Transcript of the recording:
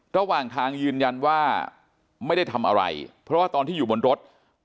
ระหว่างทางยืนยันว่าไม่ได้ทำอะไรเพราะว่าตอนที่อยู่บนรถ